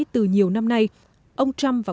từ nhiều năm nay ông trump và